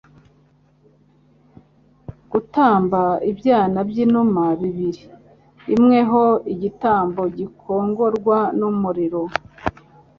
gutamba ibyana by'inuma bibiri: imwe ho igitambo gikongorwa n'umuriro,